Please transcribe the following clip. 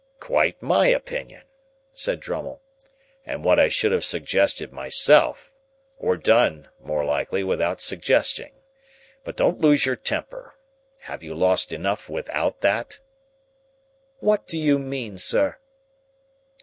"Quite my opinion," said Drummle, "and what I should have suggested myself, or done—more likely—without suggesting. But don't lose your temper. Haven't you lost enough without that?" "What do you mean, sir?"